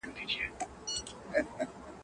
د تازه هوا مصرف یې ورښکاره کړ.